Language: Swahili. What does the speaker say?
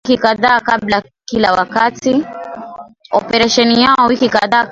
operesheni yao wiki kadhaa kabla Kila wakati